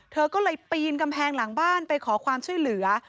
เธอก็เลยปีนกำแพงหลังบ้านไปขอความช่วยเหลือ